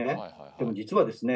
でも実はですね